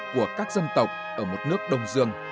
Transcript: của các dân tộc ở một nước đông dương